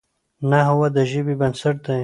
نحوه د ژبي بنسټ دئ.